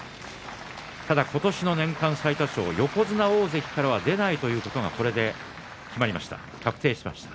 今年の年間最多勝、横綱大関からは出ないということがこれで決まりました。